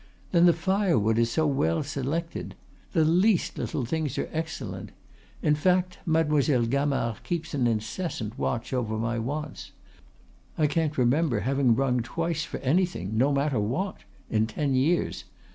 Then the firewood is so well selected. The least little things are excellent. In fact, Mademoiselle Gamard keeps an incessant watch over my wants. I can't remember having rung twice for anything no matter what in ten years.